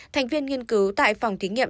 thành viên nghiên cứu tại phòng thí nghiệm